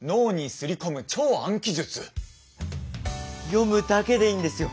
読むだけでいいんですよ。